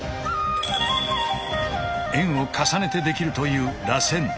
円を重ねてできるという螺旋。